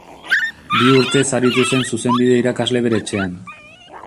Bi urtez aritu zen zuzenbide irakasle bere etxean.